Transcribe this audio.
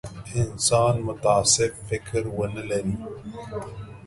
انسان متعصب فکر ونه لري.